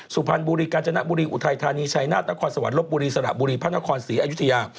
สุพรรณบุรีกาญจนบุรีอุทัยธานีชัยนาธนครสวรรค์ลบบุรีสระบุรีพระนครศรีอยุธยา